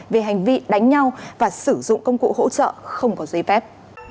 về hành vi đánh nhau và sử dụng công cụ hỗ trợ không có giấy phép